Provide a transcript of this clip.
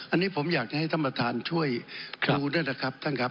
อันนี้ผมอยากจะให้ท่านประธานช่วยดูด้วยนะครับท่านครับ